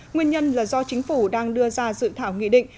nguyên nhân là do chính phủ đang đưa ra dự thảo nghị định